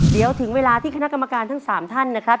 เดี๋ยวถึงเวลาที่คณะกรรมการทั้ง๓ท่านนะครับ